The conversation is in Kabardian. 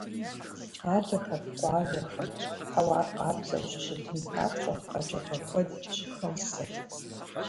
Къалэхэм, къуажэхэм хьэуар къабззу щыщытын папщӀэ, къэкӀыгъэ куэд щыхасэ.